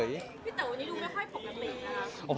ผมนอนน้อยครับ